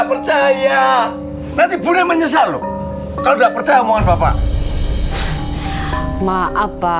percaya nanti boleh menyesal kalau gak percaya mohon bapak maaf pak